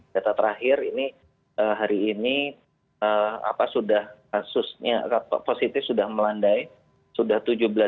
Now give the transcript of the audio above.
data terakhir ini hari ini kasusnya positif sudah melandai sudah tujuh belas tiga ratus delapan puluh empat